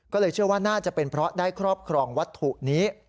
ก็เลยเชื่อว่าน่าจะเป็นเพราะได้ครอบครองวัตถุนี้